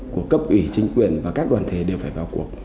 của cấp ủy chính quyền và các đoàn thể đều phải vào cuộc